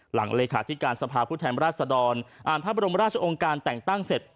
หลังเลขาธิการสภาพุทธรรมราชสะดอนอ่านพระบรมราชองค์การแต่งตั้งเสร็จ